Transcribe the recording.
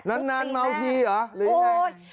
นั้นนานเมาถี่หรือไง